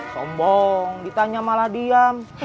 sombong ditanya malah diam